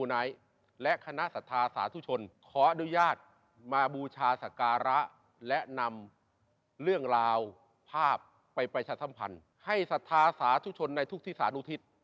ให้สัทธาสาชุชนในทุกที่สาดุทิศ